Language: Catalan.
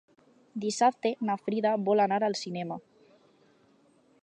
Dissabte na Frida vol anar al cinema.